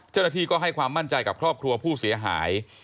เจ้าหน้าที่ก็ให้ความมั่นใจกับครอบครัวผู้เสียหาย